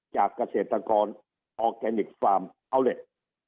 เกษตรกรออร์แกนิคฟาร์มอัลเล็ต